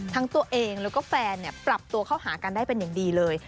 ทั้งตัวเองแล้วก็แฟนปรับตัวเข้าหากันได้เป็นอย่างดีเลย